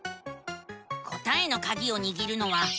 答えのカギをにぎるのはえら。